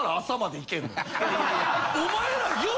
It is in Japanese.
お前らよ